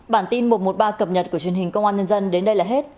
bản tin một trăm một mươi ba cập nhật của truyền hình công an nhân dân đến đây là hết